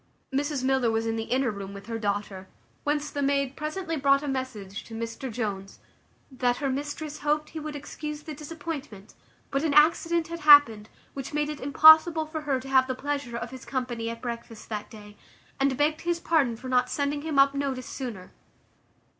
Mrs Miller was in the inner room with her daughter, whence the maid presently brought a message to Mr Jones, "That her mistress hoped he would excuse the disappointment, but an accident had happened, which made it impossible for her to have the pleasure of his company at breakfast that day; and begged his pardon for not sending him up notice sooner."